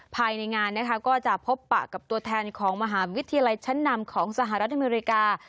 ภายในงานนะคะก็จะพบปะกับตัวแทนของมหาวิทยาลัยชั้นนำของสหรัฐอเมริกา